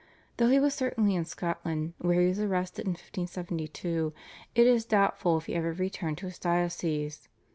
Though he was certainly in Scotland, where he was arrested in 1572, it is doubtful if he ever returned to his diocese.